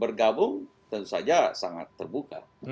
bergabung tentu saja sangat terbuka